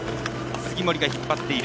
杉森が引っ張っている。